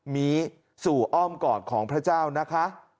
นี้สู่อ้อมกอดของพระเจ้านะคะ